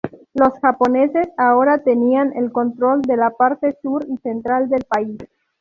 Los japoneses ahora tenían el control de la parte sur y central del país.